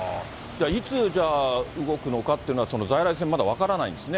いつじゃあ、動くのかっていうのはその在来線、まだ分からないんですね。